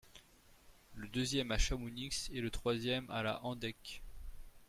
Le deuxième à Chamounix, et le troisième à la Handeck.